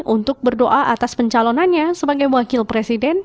untuk berdoa atas pencalonannya sebagai wakil presiden